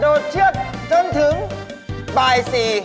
เชือกจนถึงบ่าย๔